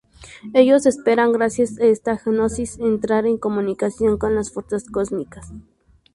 Ellos esperan, gracias a esta gnosis, entrar en comunicación con las fuerzas cósmicas.